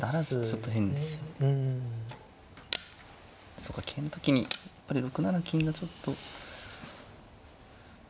そうか桂の時にやっぱり６七金がちょっとない手だったですか。